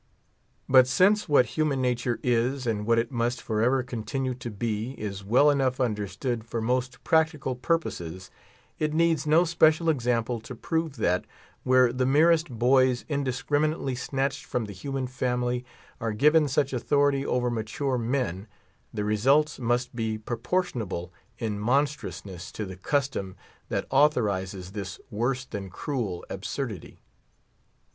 But since what human nature is, and what it must for ever continue to be, is well enough understood for most practical purposes, it needs no special example to prove that, where the merest boys, indiscriminately snatched from the human family, are given such authority over mature men, the results must be proportionable in monstrousness to the custom that authorises this worse than cruel absurdity.